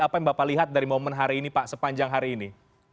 apa yang bapak lihat dari momen hari ini pak sepanjang hari ini